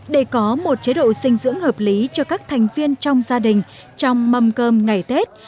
để có một chế độ dinh dưỡng hợp lý cho các thành viên trong gia đình trong mâm cơm ngày tết